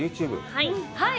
はい。